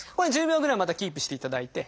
１０秒ぐらいまたキープしていただいて。